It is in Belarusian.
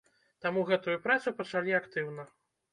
Таму гэтую працу пачалі актыўна.